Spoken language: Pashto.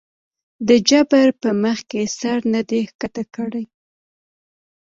د جبر پۀ مخکښې سر نه دے ښکته کړے